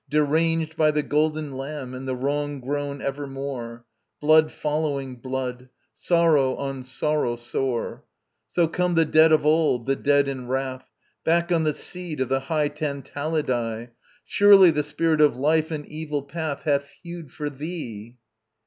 deranged By the Golden Lamb and the wrong grown ever more; Blood following blood, sorrow on sorrow sore! So come the dead of old, the dead in wrath, Back on the seed of the high Tantalidae; Surely the Spirit of Life an evil path Hath hewed for thee.